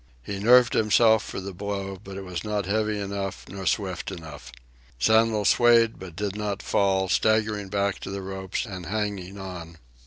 He nerved himself for the blow, but it was not heavy enough nor swift enough. Sandel swayed, but did not fall, staggering back to the ropes and holding on.